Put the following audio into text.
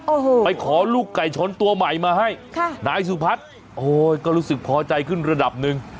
โอ้โหไปขอลูกไก่ชนตัวใหม่มาให้ค่ะนายสุพัฒน์โอ้ยก็รู้สึกพอใจขึ้นระดับหนึ่ง